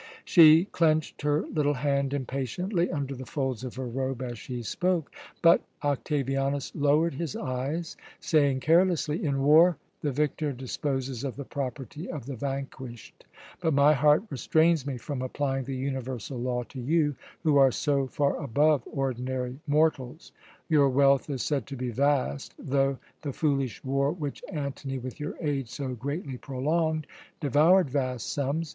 She clenched her little hand impatiently under the folds of her robe as she spoke; but Octavianus lowered his eyes, saying carelessly: "In war the victor disposes of the property of the vanquished; but my heart restrains me from applying the universal law to you, who are so far above ordinary mortals. Your wealth is said to be vast, though the foolish war which Antony, with your aid, so greatly prolonged, devoured vast sums.